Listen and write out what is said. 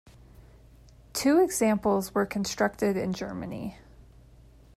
Two examples were constructed in Germany.